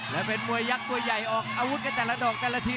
แล้วเป็นมัวยักตัวใหญ่ออกอาวุธแต่ละดอกแต่ละที